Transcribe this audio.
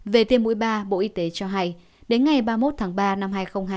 về tiêm mũi ba bộ y tế cho hay đến ngày ba mươi một tháng ba năm hai nghìn hai mươi